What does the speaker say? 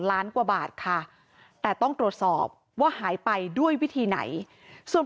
และมีการเก็บเงินรายเดือนจริง